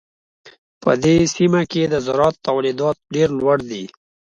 په دې سیمه کې د زراعت تولیدات ډېر لوړ دي.